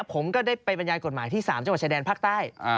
ผมก็ได้ไปบรรยายกฎหมายที่๓จังหวัดชายแดนภาคใต้